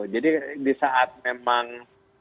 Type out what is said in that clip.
jadi disaat memang